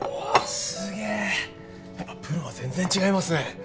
やっぱプロは全然違いますね。